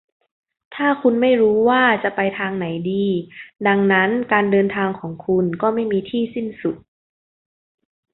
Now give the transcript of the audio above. ถ้าคุณไม่รู้ว่าจะไปทางไหนดี ดังนั้นการเดินทางของคุณก็ไม่มีที่สิ้นสุด